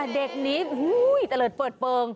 เด็กนี้คือทะเลิศเปิดเปลิง